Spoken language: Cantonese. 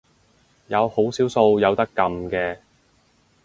有好少數有得撳嘅